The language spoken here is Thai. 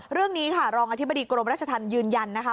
เรื่องนี้ค่ะรองอธิบดีกรมราชธรรมยืนยันนะคะ